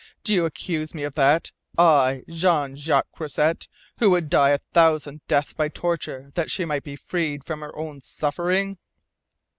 Do you accuse me of that I, Jean Jacques Croisset, who would die a thousand deaths by torture that she might be freed from her own suffering?"